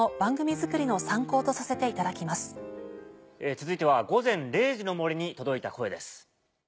続いては『午前０時の森』に届いた声です。